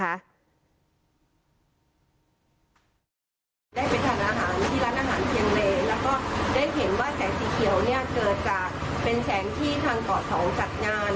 ได้ไปทานอาหารที่ร้านอาหารเชียงเลแล้วก็ได้เห็นว่าแสงสีเขียวเนี่ยเกิดจากเป็นแสงที่ทางเกาะสองจัดงาน